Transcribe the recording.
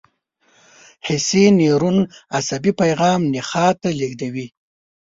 حسي نیورون عصبي پیغام نخاع ته لېږدوي.